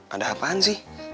ada apaan sih